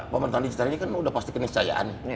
pemerintahan digital ini kan udah pasti kena percayaan